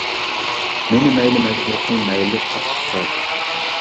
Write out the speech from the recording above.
مېنى مەيلى مەجبۇر قىل، مەيلى قاتتىق تەگ!